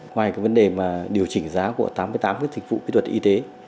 ngoài cái vấn đề mà điều chỉnh giá của tám mươi tám cái dịch vụ kỹ thuật y tế